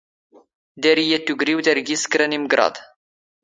ⴷⴰⵔⵉ ⵢⴰⵜ ⵜⵓⴳⵔⵉⵡⵜ ⴰⵔ ⴳⵉⵙ ⴽⵔⴰ ⵏ ⵉⵎⴳⵔⴰⴹ.